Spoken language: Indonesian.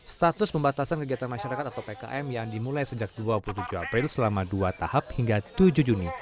status pembatasan kegiatan masyarakat atau pkm yang dimulai sejak dua puluh tujuh april selama dua tahap hingga tujuh juni